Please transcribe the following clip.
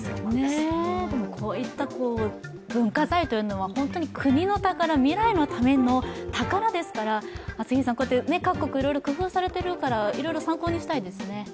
でも、こういった文化財というのは国の宝、未来のための宝ですから、各国いろいろ工夫されているからいろいろ参考にしたいですね。